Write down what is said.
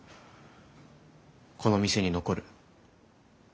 この店に残る。